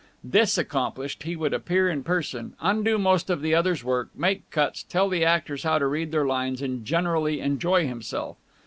This accomplished, he would appear in person, undo most of the other's work, make cuts, tell the actors how to read their lines, and generally enjoy himself.